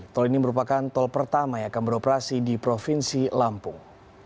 tol ini merupakan tol pertama yang akan beroperasi di provinsi lampung